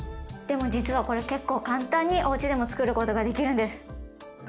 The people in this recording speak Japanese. でも実はこれ結構簡単におうちでもつくることができるんです。